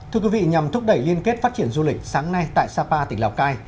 thưa quý vị nhằm thúc đẩy liên kết phát triển du lịch sáng nay tại sapa tỉnh lào cai